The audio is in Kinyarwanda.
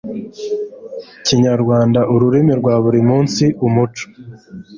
Kinyarwanda -ururimi rwa buri munsi Umuco